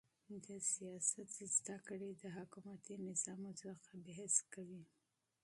د سیاست علم د حکومتي نظامو څخه بحث کوي.